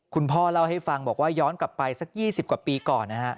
คุณพ่อเล่าให้ฟังบอกว่าย้อนกลับไปสัก๒๐กว่าปีก่อนนะฮะ